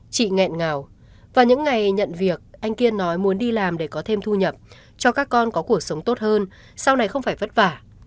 chị nghẹn ngào và những ngày nhận việc anh kiên nói muốn đi làm để có thêm thu nhập cho các con có cuộc sống tốt hơn sau này không phải vất vả